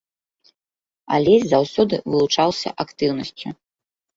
Алесь заўсёды вылучаўся актыўнасцю.